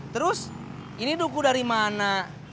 terus ini duku dari mana